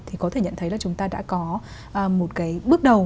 thì có thể nhận thấy là chúng ta đã có một cái bước đầu